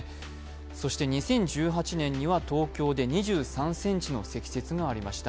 そして２０１８年には東京で２３ｃｍの積雪がありました。